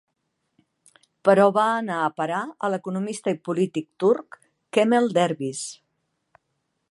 Però va anar a parar a l'economista i polític turc, Kemel Dervis.